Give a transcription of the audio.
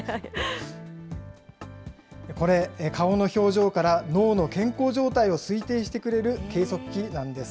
これ、顔の表情から脳の健康状態を推定してくれる計測器なんです。